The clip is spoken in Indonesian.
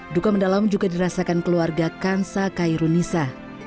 duka mendalam juga dirasakan keluarga kansa kairunisa